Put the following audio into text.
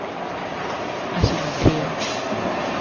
Asimetría.